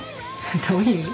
どういう意味？